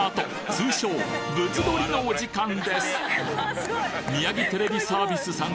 通称「物撮」のお時間ですこちら！